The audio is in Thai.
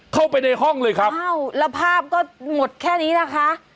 เข้าไปในห้องเลยครับอ้าวแล้วภาพก็หมดแค่นี้นะคะ